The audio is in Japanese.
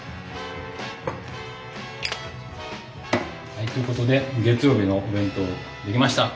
はいということで月曜日のお弁当出来ました！